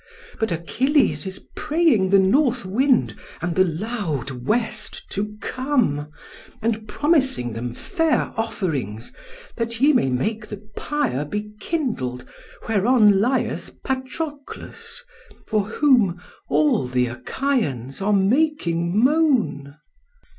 But Achilles is praying the North Wind and the loud West to come, and promising them fair offerings, that ye may make the pyre be kindled whereon lieth Patroclos, for whom all the Achaians are making moan.'